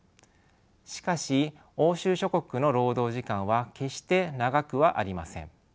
しかし欧州諸国の労働時間は決して長くはありません。